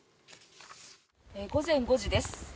午前５時です。